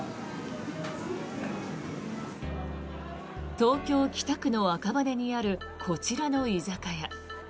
東京・北区の赤羽にあるこちらの居酒屋。